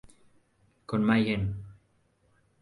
Con Mayhem